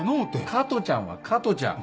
加トちゃんは加トちゃん。